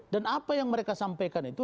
dan apa yang mereka sampaikan itu